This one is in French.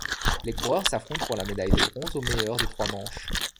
Les coureurs s'affrontent pour la médaille de bronze au meilleur des trois manches.